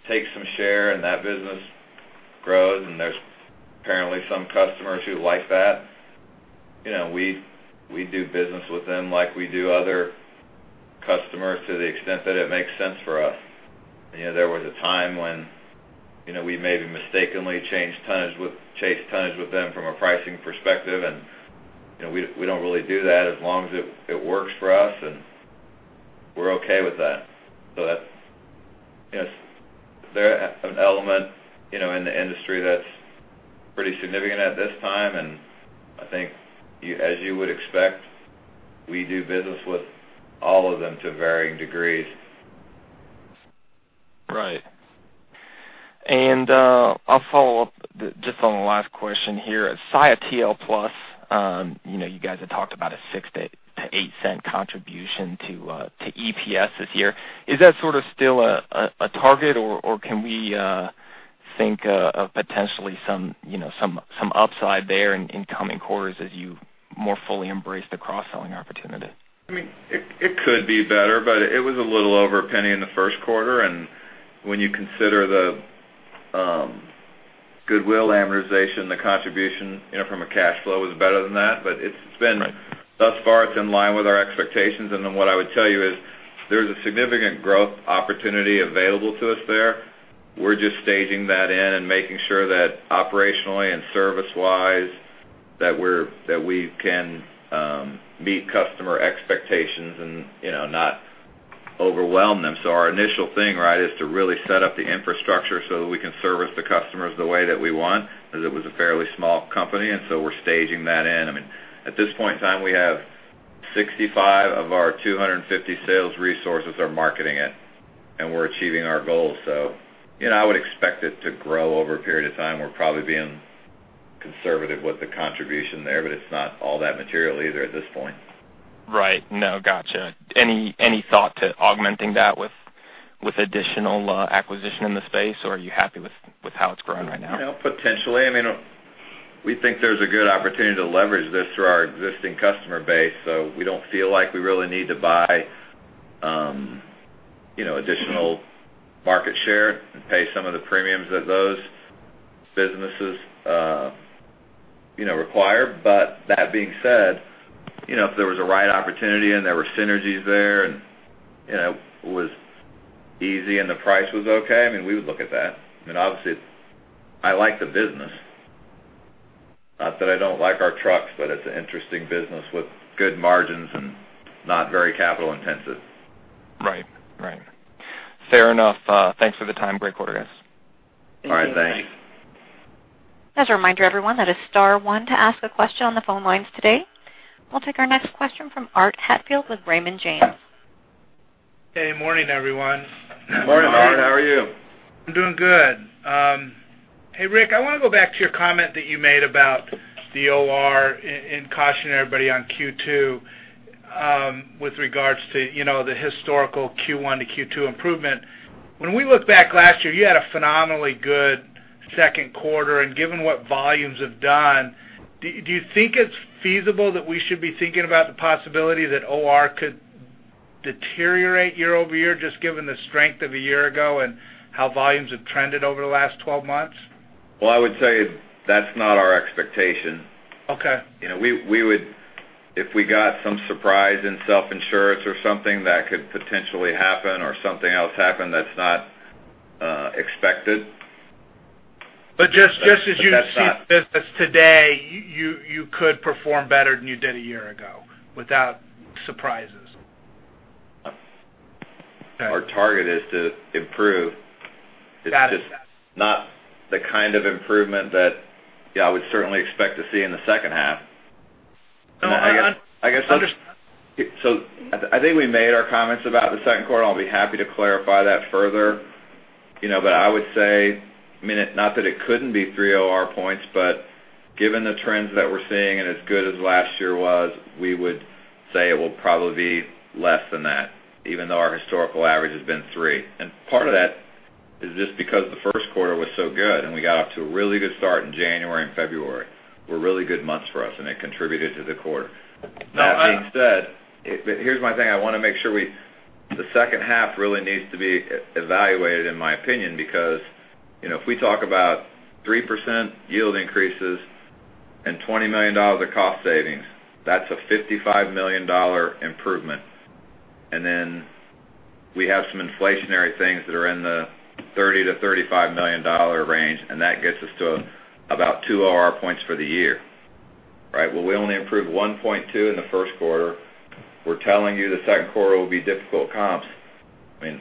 take some share, and that business grows, and there's apparently some customers who like that. You know, we do business with them like we do other customers, to the extent that it makes sense for us. You know, there was a time when, you know, we maybe mistakenly chased tonnage with them from a pricing perspective, and, you know, we don't really do that as long as it works for us, and we're okay with that. So that's, you know, they're an element, you know, in the industry that's pretty significant at this time, and I think you, as you would expect, we do business with all of them to varying degrees. Right. And I'll follow up just on the last question here. At Saia LTL Plus, you know, you guys have talked about a $0.06-$0.08 contribution to EPS this year. Is that sort of still a target, or can we think of potentially some, you know, some upside there in coming quarters as you more fully embrace the cross-selling opportunity? I mean, it could be better, but it was a little over $0.01 in the first quarter, and when you consider the goodwill amortization, the contribution, you know, from a cash flow was better than that. But it's been thus far, it's in line with our expectations. And then what I would tell you is, there's a significant growth opportunity available to us there. We're just staging that in and making sure that operationally and service-wise, that we're that we can meet customer expectations and, you know, not overwhelm them. So our initial thing, right, is to really set up the infrastructure so that we can service the customers the way that we want, because it was a fairly small company, and so we're staging that in. I mean, at this point in time, we have 65 of our 250 sales resources are marketing it, and we're achieving our goals. So, you know, I would expect it to grow over a period of time. We're probably being conservative with the contribution there, but it's not all that material either at this point. Right. No. Gotcha. Any thought to augmenting that with additional acquisition in the space, or are you happy with how it's growing right now? Yeah, potentially. I mean, we think there's a good opportunity to leverage this through our existing customer base, so we don't feel like we really need to buy, you know, additional market share and pay some of the premiums that those businesses, you know, require. But that being said, you know, if there was a right opportunity and there were synergies there, and, you know, it was easy and the price was okay, I mean, we would look at that. And obviously, I like the business. Not that I don't like our trucks, but it's an interesting business with good margins and not very capital intensive. Right. Right. Fair enough. Thanks for the time. Great quarter, guys. All right. Thanks. As a reminder, everyone, that is star one to ask a question on the phone lines today. We'll take our next question from Art Hatfield with Raymond James. Hey, morning, everyone. Morning, Art. How are you? I'm doing good. Hey, Rick, I want to go back to your comment that you made about the OR and cautioning everybody on Q2, with regards to, you know, the historical Q1 to Q2 improvement. When we look back last year, you had a phenomenally good second quarter, and given what volumes have done, do you think it's feasible that we should be thinking about the possibility that OR could deteriorate year-over-year, just given the strength of a year ago and how volumes have trended over the last twelve months? Well, I would say that's not our expectation. Okay. You know, we, we would—if we got some surprise in self-insurance or something, that could potentially happen or something else happen that's not expected. But just as you- But that's not- In this business today, you could perform better than you did a year ago without surprises. Our target is to improve. Got it. It's just not the kind of improvement that, yeah, I would certainly expect to see in the second half. I guess. Under- So I think we made our comments about the second quarter. I'll be happy to clarify that further. You know, but I would say, I mean, not that it couldn't be three OR points, but given the trends that we're seeing and as good as last year was, we would say it will probably be less than that, even though our historical average has been three. And part of that is just because the first quarter was so good, and we got off to a really good start in January and February, were really good months for us, and it contributed to the quarter. No, I- That being said, here's my thing: I want to make sure we... The second half really needs to be evaluated, in my opinion, because, you know, if we talk about 3% yield increases and $20 million of cost savings, that's a $55 million improvement. And then we have some inflationary things that are in the $30 million-$35 million range, and that gets us to about 2 OR points for the year, right? Well, we only improved 1.2 in the first quarter. We're telling you the second quarter will be difficult comps. I mean,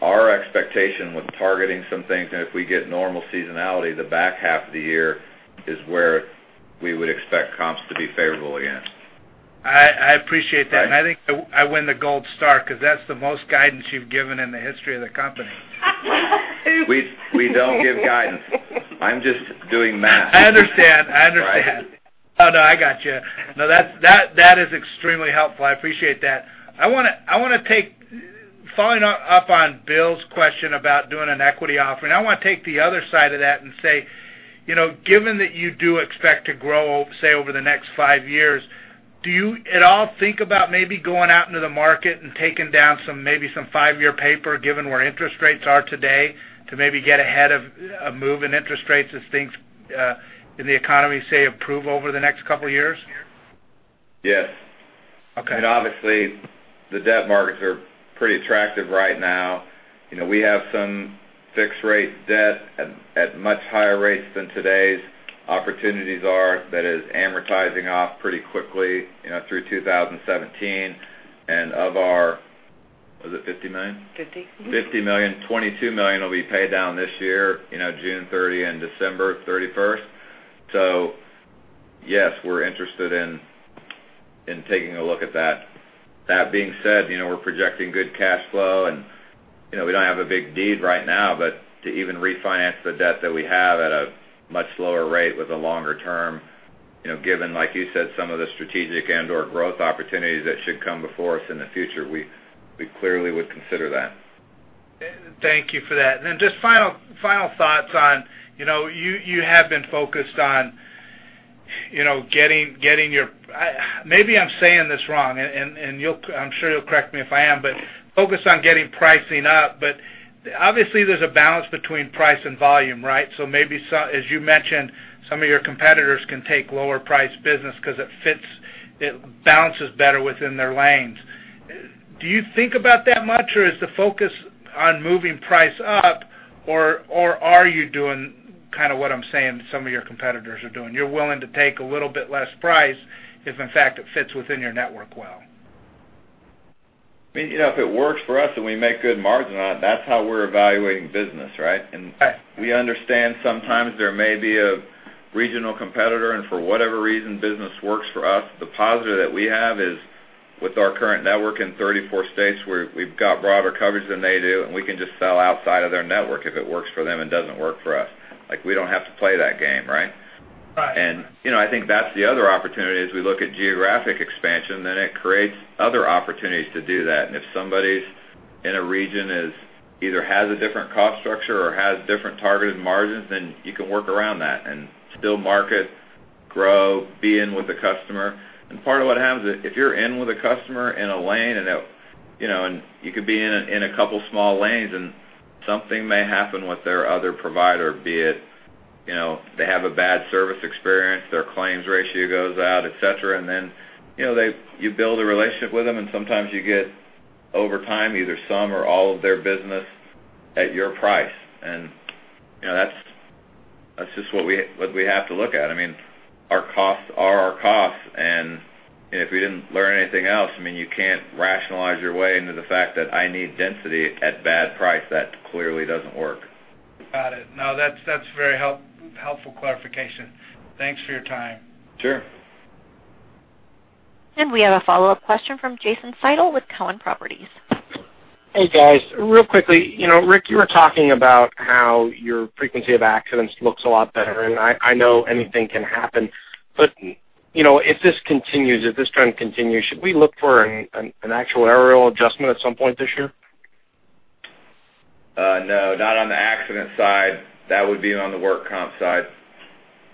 our expectation with targeting some things, and if we get normal seasonality, the back half of the year is where we would expect comps to be favorable again. I appreciate that. Right. I think I win the gold star because that's the most guidance you've given in the history of the company. We don't give guidance. I'm just doing math. I understand. I understand. Right? Oh, no, I got you. No, that, that, that is extremely helpful. I appreciate that. I want to, I want to take... Following up on Bill's question about doing an equity offering, I want to take the other side of that and say, you know, given that you do expect to grow, say, over the next five years, do you at all think about maybe going out into the market and taking down some, maybe some five-year paper, given where interest rates are today, to maybe get ahead of, of moving interest rates as things, in the economy, say, improve over the next couple of years? Yes. Okay. Obviously, the debt markets are pretty attractive right now. You know, we have some fixed rate debt at much higher rates than today's opportunities are that is amortizing off pretty quickly, you know, through 2017. And of our... Was it $50 million? 50. $50 million. $22 million will be paid down this year, you know, June 30th and December 31st. So yes, we're interested in, in taking a look at that. That being said, you know, we're projecting good cash flow, and, you know, we don't have a big need right now, but to even refinance the debt that we have at a much lower rate with a longer term, you know, given, like you said, some of the strategic and/or growth opportunities that should come before us in the future, we, we clearly would consider that. Thank you for that. And then just final, final thoughts on, you know, you have been focused on, you know, getting your... Maybe I'm saying this wrong and you'll - I'm sure you'll correct me if I am, but focused on getting pricing up. But obviously, there's a balance between price and volume, right? So maybe some, as you mentioned, some of your competitors can take lower price business because it fits, it balances better within their lanes. Do you think about that much, or is the focus on moving price up, or are you doing kind of what I'm saying some of your competitors are doing? You're willing to take a little bit less price if, in fact, it fits within your network well. I mean, you know, if it works for us and we make good margin on it, that's how we're evaluating business, right? Right. And we understand sometimes there may be a regional competitor, and for whatever reason, business works for us. The positive that we have is with our current network in 34 states, we've got broader coverage than they do, and we can just sell outside of their network if it works for them and doesn't work for us. Like, we don't have to play that game, right? Right. You know, I think that's the other opportunity as we look at geographic expansion, then it creates other opportunities to do that. If somebody's in a region is, either has a different cost structure or has different targeted margins, then you can work around that and still market, grow, be in with the customer. Part of what happens is, if you're in with a customer in a lane and, you know, and you could be in a, in a couple small lanes, and something may happen with their other provider, be it, you know, they have a bad service experience, their claims ratio goes out, etc. Then, you know, they, you build a relationship with them, and sometimes you get, over time, either some or all of their business at your price. You know, that's, that's just what we, what we have to look at. I mean, our costs are our costs, and if we didn't learn anything else, I mean, you can't rationalize your way into the fact that I need density at bad price. That clearly doesn't work. Got it. No, that's very helpful clarification. Thanks for your time. Sure. And we have a follow-up question from Jason Seidl with Cowen Securities. Hey, guys. Really quickly, you know, Rick, you were talking about how your frequency of accidents looks a lot better, and I know anything can happen, but, you know, if this continues, if this trend continues, should we look for an actual actuarial adjustment at some point this year? No, not on the accident side. That would be on the work comp side.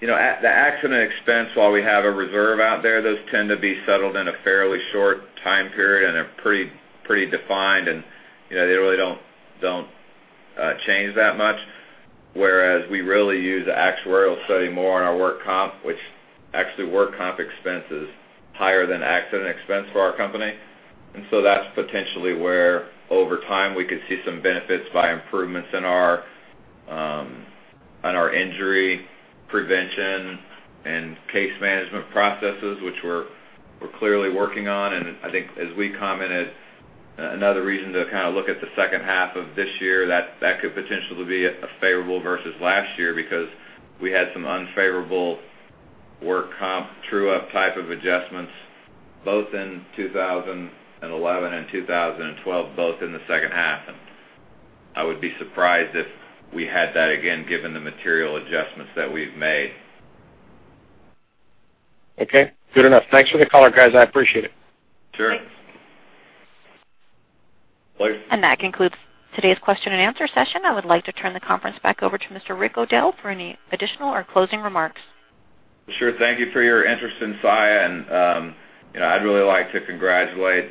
You know, at the accident expense, while we have a reserve out there, those tend to be settled in a fairly short time period, and they're pretty, pretty defined, and, you know, they really don't, don't, change that much. Whereas we really use the actuarial study more on our work comp, which actually work comp expense is higher than accident expense for our company. And so that's potentially where, over time, we could see some benefits by improvements in our, on our injury prevention and case management processes, which we're clearly working on. I think as we commented, another reason to kind of look at the second half of this year, that could potentially be a favorable versus last year, because we had some unfavorable work comp true-up type of adjustments, both in 2011 and 2012, both in the second half. I would be surprised if we had that again, given the material adjustments that we've made. Okay, good enough. Thanks for the call, guys. I appreciate it. Sure. That concludes today's question and answer session. I would like to turn the conference back over to Mr. Rick O'Dell for any additional or closing remarks. Sure. Thank you for your interest in Saia, and, you know, I'd really like to congratulate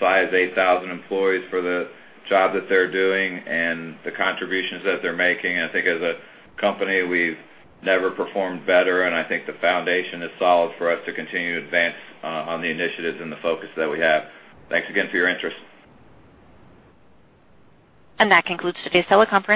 Saia's 8,000 employees for the job that they're doing and the contributions that they're making. I think as a company, we've never performed better, and I think the foundation is solid for us to continue to advance on the initiatives and the focus that we have. Thanks again for your interest. That concludes today's teleconference.